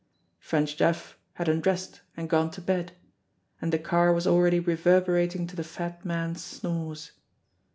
French Jeff had undressed and gone to bed, and the car was already reverberating to the fat man's snores.